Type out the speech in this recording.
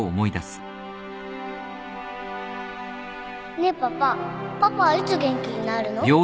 ねえパパパパはいつ元気になるの？